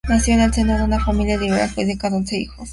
Nació en el seno de una familia liberal judía con once hijos.